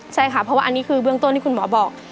ใช่ค่ะเพราะว่าอันนี้คือเบื้องต้นที่คุณหมอบอก